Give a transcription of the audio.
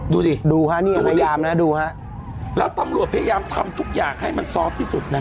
ดูดิดูฮะนี่พยายามนะดูฮะแล้วตำรวจพยายามทำทุกอย่างให้มันซอฟต์ที่สุดนะฮะ